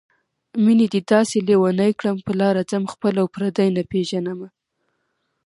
مينې دې داسې لېونی کړم په لاره ځم خپل او پردي نه پېژنمه